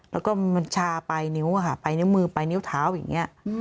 แล้วก็มันชาปลายนิ้วค่ะปลายนิ้วมือปลายนิ้วเท้าอย่างนี้